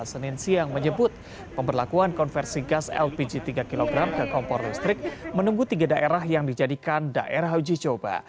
senin siang menyebut pemberlakuan konversi gas lpg tiga kg ke kompor listrik menunggu tiga daerah yang dijadikan daerah uji coba